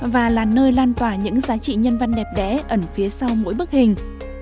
và là nơi lan tỏa những giá trị nhân văn đẹp đẽ ẩn phía sau mỗi bức hình